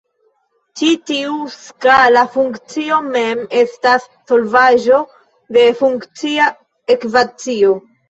Ĉi tiu skala funkcio mem estas solvaĵo de funkcia ekvacio.